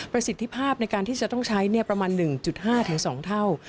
สิทธิภาพในการที่จะต้องใช้ประมาณ๑๕๒เท่า